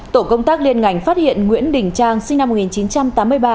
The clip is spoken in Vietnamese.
tổ công tác liên ngành phát hiện nguyễn đình trang sinh năm một nghìn chín trăm tám mươi ba